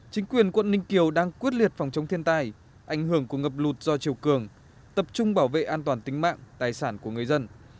chính quyền quận ninh kiều đang quyết liệt phòng chống thiên tai ảnh hưởng của ngập lụt do chiều cường tập trung bảo vệ an toàn tính mạng tài sản của người dân